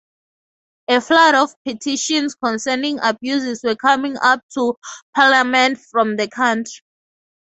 A flood of petitions concerning abuses were coming up to Parliament from the country.